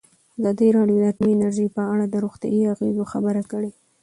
ازادي راډیو د اټومي انرژي په اړه د روغتیایي اغېزو خبره کړې.